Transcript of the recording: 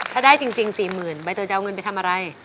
ถ้าได้จริง๔๐๐๐ใบเตยจะเอาเงินไปทำอะไร